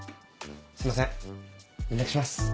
すいません連絡します。